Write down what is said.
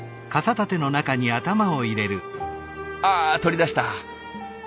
あ取り出した！